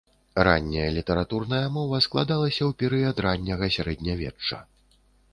Ранняя літаратурная мова склалася ў перыяд ранняга сярэднявечча.